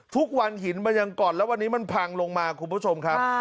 ทุกวันหินมันยังก่อนแล้ววันนี้มันพังลงมาคุณผู้ชมครับ